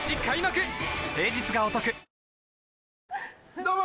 どうも！